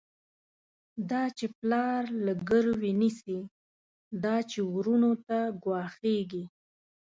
دا چی پلار له ګروی نيسی، دا چی وروڼو ته ګواښيږی